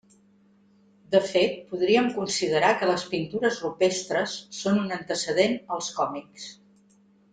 De fet podríem considerar que les pintures rupestres són un antecedent als còmics.